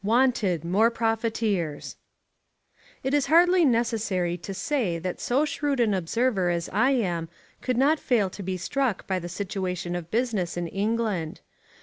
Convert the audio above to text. Wanted More Profiteers It is hardly necessary to say that so shrewd an observer as I am could not fail to be struck by the situation of business in England.